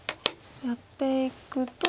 やっていくと。